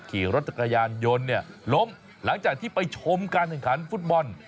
ขี่รถจักรยานยนต์เนี่ยล้มหลังจากที่ไปชมการแข่งขันฟุตบอล